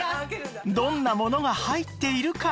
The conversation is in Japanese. どんなものが入っているか？